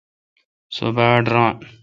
سو تہ باڑ ران۔